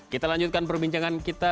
kita lanjutkan perbincangan kita